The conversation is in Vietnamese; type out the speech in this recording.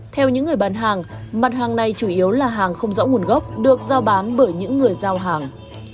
theo những người bán hàng mặt hàng này chủ yếu là hàng không rõ nguồn gốc được giao bán bởi những người giao hàng